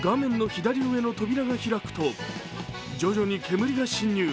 左上の扉が開くと徐々に煙が進入。